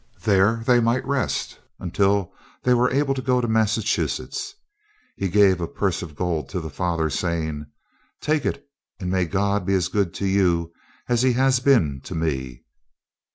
There they might rest until they were able to go to Massachusetts. He gave a purse of gold to the father, saying: "Take it, and may God be as good to you as he has been to me."